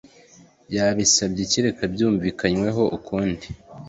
yabisabye kereka byumvikanyweho ukundi